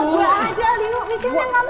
buat gue aja alinu michelle yang lama aja